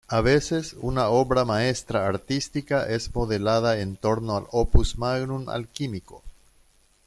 A veces una obra maestra artística es modelada en torno al Opus magnum alquímico.